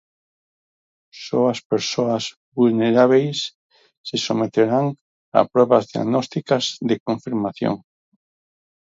Só as persoas vulnerábeis se someterán a probas diagnósticas de confirmación.